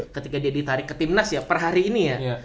ketika dia ditarik ke timnas ya per hari ini ya